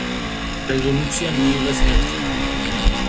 რეზოლუცია მიიღეს ერთხმად.